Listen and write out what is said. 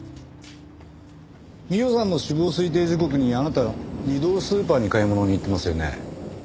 美緒さんの死亡推定時刻にあなた２度スーパーに買い物に行ってますよね。